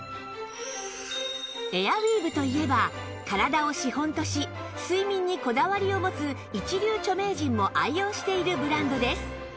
エアウィーヴといえば体を資本とし睡眠にこだわりを持つ一流著名人も愛用しているブランドです